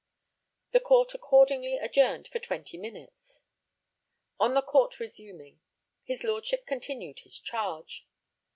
The Court accordingly adjourned for twenty minutes. On the Court resuming, His Lordship continued his charge.